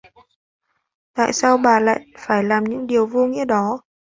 tại sao bà ấy phải làm cái điều vô nghĩa đó